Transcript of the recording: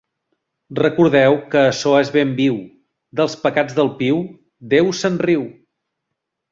Recordeu que açò és ben viu: dels pecats del piu, Déu se'n riu!